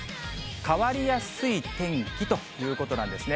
変わりやすい天気ということなんですね。